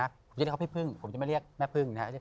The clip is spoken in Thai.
ผมเรียกเขาพี่พึ่งผมจะไม่เรียกแม่พึ่งนะครับ